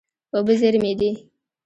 اوبه زېرمې دي.